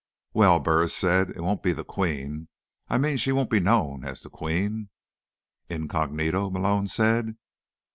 "Well," Burris said, "it won't be the Queen. I mean, she won't be known as the Queen." "Incognito?" Malone said.